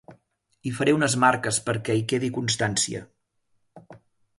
Hi faré unes marques perquè en quedi constància.